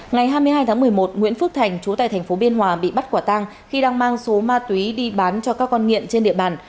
ngày hai mươi hai tháng một mươi một nguyễn phước thành chú tại thành phố biên hòa bị bắt quả tang khi đang mang số ma túy đi bán cho các con nghiện trên địa bàn